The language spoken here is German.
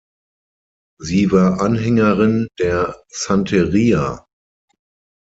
Sie war Anhängerin der Santería.